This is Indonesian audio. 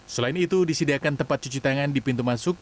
selain itu disediakan tempat cuci tangan di pintu masuk